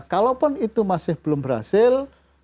kalaupun itu masih belum berhasil